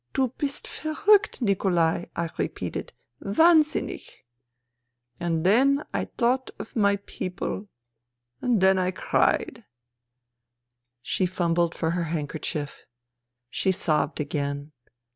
...'"' Bu hist verruckt, Nikolai,' I repeated. ' Wahn sinnich, ...'" And then I thought of my people. And then I cried. ..." She fumbled for her handkerchief. She sobbed again.